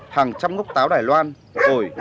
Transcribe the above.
hàng trăm ngốc táo đài loan ổi